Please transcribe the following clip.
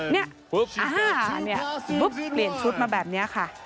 เนี่ยปุ๊บเปลี่ยนชุดมาแบบนี้ค่ะ